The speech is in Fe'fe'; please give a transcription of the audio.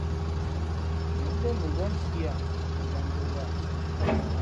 Ngα̌ ngén mα wúά nsi â njamzᾱ wāha.